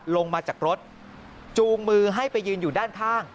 ลงมาจากรถจูงมือให้ไปยืนอยู่ด้านข้าง